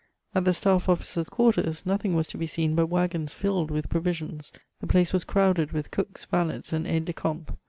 At the staff officers' quarters, nothing was to be seea but waggons filled with proyisions; the place was crowded with cooks, valets, and aides de camp.